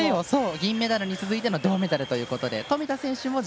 銀メダルに続いての銅メダルということで。